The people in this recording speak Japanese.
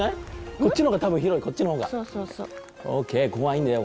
こっちの方が多分広いそうそうそうＯＫ怖いんだよ